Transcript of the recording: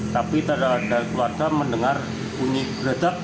tapi keluarga mendengar bunyi beredak